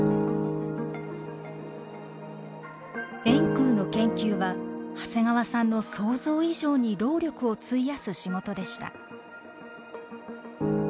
円空の研究は長谷川さんの想像以上に労力を費やす仕事でした。